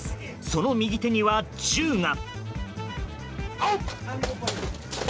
その右手には銃が。